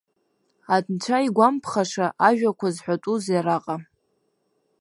Анцәа игәамԥхаша ажәақәа зҳәатәузеи араҟа.